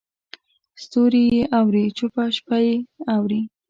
ستوري یې اوري چوپه شپه یې اوري